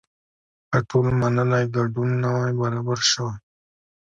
که ټول منلی ګډون نه وي برابر شوی.